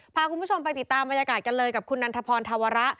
พาคุณผู้ชมไปติดตามบรรยากาศกันเลยกับคุณนันทพรธวระ